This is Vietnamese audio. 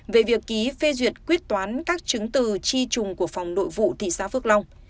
về việc ký phê duyệt quyết toán các chứng từ tri trùng của phòng nội vụ thị xã phước long